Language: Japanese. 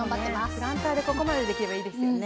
プランターでここまでできるのいいですよね。